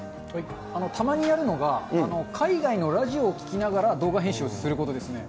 たまにやるのが、海外のラジオを聞きながら、動画編集をすることですね。